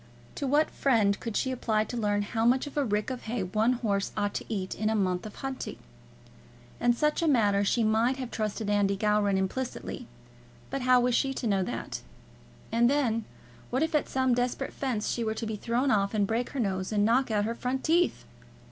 To what friend could she apply to learn how much of a rick of hay one horse ought to eat in a month of hunting? In such a matter she might have trusted Andy Gowran implicitly; but how was she to know that? And then, what if at some desperate fence she were to be thrown off and break her nose and knock out her front teeth!